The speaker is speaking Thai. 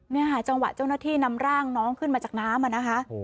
นี่ค่ะจังหวะเจ้าหน้าที่นำร่างน้องขึ้นมาจากน้ำอะนะคะ